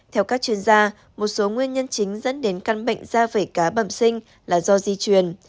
theo các chuyên gia một số nguyên nhân chính dẫn đến căn bệnh da vảy cá bẩm sinh là do di truyền